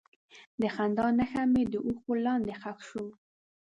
د خندا نښه مې د اوښکو لاندې ښخ شوه.